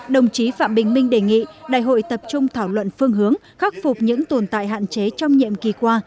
đồng chí phạm bình minh đề nghị đại hội tập trung thảo luận phương hướng khắc phục những tồn tại hạn chế trong nhiệm kỳ qua